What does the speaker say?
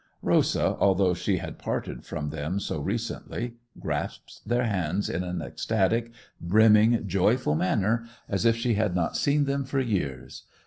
Rosa, although she had parted from them so recently, grasped their hands in an ecstatic, brimming, joyful manner, as if she had not seen them for years.